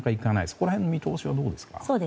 そこら辺の見通しはどうですか。